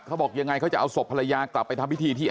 ชาวบ้านในพื้นที่บอกว่าปกติผู้ตายเขาก็อยู่กับสามีแล้วก็ลูกสองคนนะฮะ